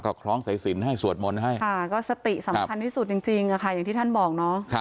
ก็คล้องสายสินให้สวดมนต์ให้ค่ะก็สติสำคัญที่สุดจริงค่ะอย่างที่ท่านบอกเนาะ